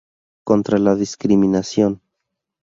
Contra la Discriminación’.